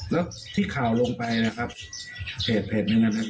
แล้วที่ข่าวลงไปนะครับเพจหนึ่งนะครับ